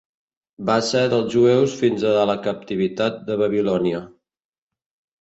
Va ser dels jueus fins a la captivitat de Babilònia.